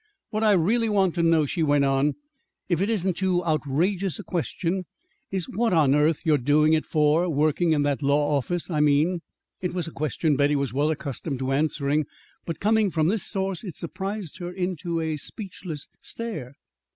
"What I really want to know," she went on, "if it isn't too outrageous a question, is what on earth you're doing it for working in that law office, I mean?" It was a question Betty was well accustomed to answering. But coming from this source, it surprised her into a speechless stare.